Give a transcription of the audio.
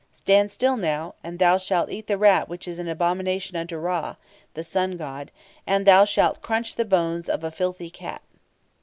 Stand still now, and thou shalt eat the rat which is an abomination unto Ra (the Sun God), and thou shalt crunch the bones of a filthy cat."